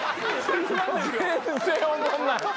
全然おもんない。